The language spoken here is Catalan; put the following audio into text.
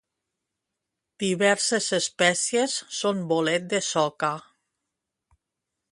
Diverses espècies són bolet de soca.